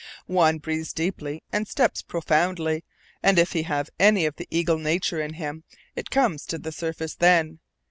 One breathes deeply and steps proudly, and if he have any of the eagle nature in him, it comes to the surface then.